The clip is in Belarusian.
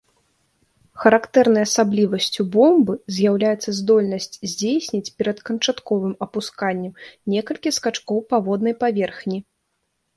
Характэрнай асаблівасцю бомбы з'яўляецца здольнасць здзейсніць перад канчатковым апусканнем некалькі скачкоў па воднай паверхні.